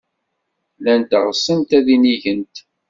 Llant ɣsent ad inigent.